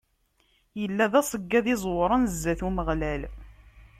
Illa d aṣeggad iẓewren zdat n Umeɣlal.